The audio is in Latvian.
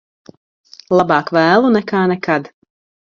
Labāk vēlu nekā nekad.